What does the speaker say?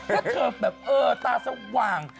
ถ้าเธอแบบเออตาสว่าง